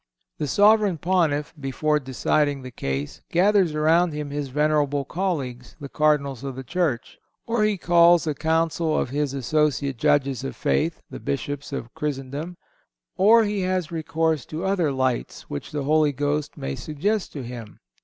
The Sovereign Pontiff, before deciding the case, gathers around him his venerable colleagues, the Cardinals of the Church; or he calls a council of his associate judges of faith, the Bishops of Christendom; or he has recourse to other lights which the Holy Ghost may suggest to him.